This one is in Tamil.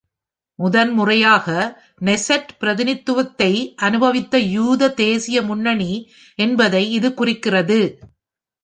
முதல் முறையாக நெசெட் பிரதிநிதித்துவத்தை அனுபவித்த யூத தேசிய முன்னணி என்பதை இது குறிக்கிறது.